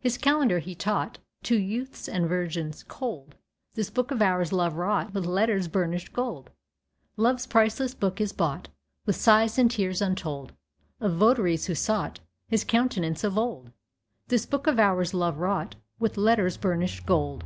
His calendar he taught To youths and virgins cold— This Book of Hours Love wrought With letters burnished gold. Love's priceless book is bought With sighs and tears untold Of votaries who sought His countenance of old— This Book of Hours Love wrought With letters burnished gold.